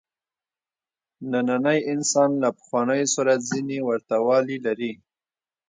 نننی انسان له پخوانیو سره ځینې ورته والي لري.